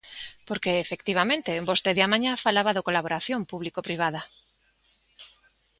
Porque, efectivamente, vostede á mañá falaba da colaboración público-privada.